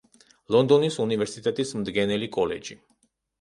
ლონდონის უნივერსიტეტის მდგენელი კოლეჯი.